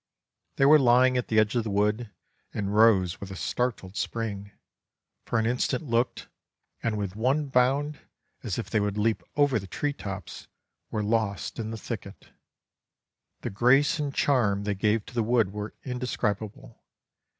They were lying at the edge of the wood, and rose with a startled spring, for an instant looked, and with one bound, as if they would leap over the tree tops, were lost in the thicket. The grace and charm they gave to the wood were indescribable.